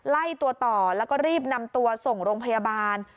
ไล่ตัวต่อแล้วก็รีบนำตัวส่งโรงพยาบาล